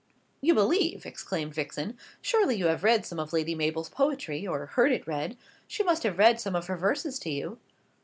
"You believe!" exclaimed Vixen. "Surely you have read some of Lady Mabel's poetry, or heard it read. She must have read some of her verses to you."